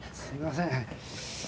すいません